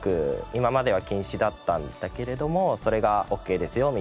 今までは禁止だったんだけれどもそれがオッケーですよみたいな。